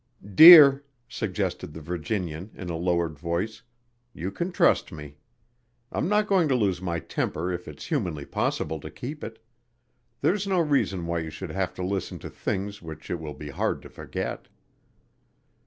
"Dear," suggested the Virginian in a lowered voice, "you can trust me. I'm not going to lose my temper if it's humanly possible to keep it. There's no reason why you should have to listen to things which it will be hard to forget."